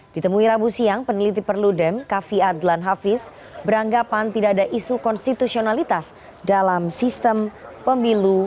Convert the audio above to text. ditemui rabu siang peneliti perludem kavi adlan hafiz beranggapan tidak ada isu konstitusionalitas dalam sistem pemilu